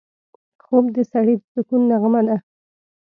خوب د سړي د سکون نغمه ده